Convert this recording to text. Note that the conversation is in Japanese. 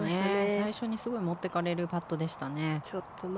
最初にすごい持っていかれるパットでしたね。